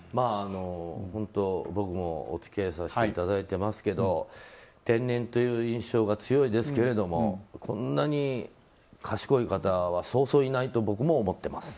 本当、僕もお付き合いさせていただいてますけど天然という印象が強いですけれどもこんなに賢い方はそうそういないと僕も思ってます。